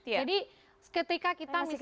jadi ketika kita misalnya